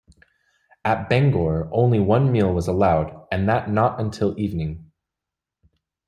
At Bangor only one meal was allowed, and that not until evening.